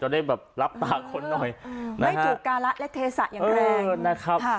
จะได้แบบรับตาคนหน่อยไม่ถูกกาลักษณ์และเทศะอย่างแรง